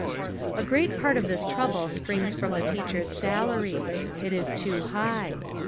A great part of this trouble springs from the teacher's salary. It is too high.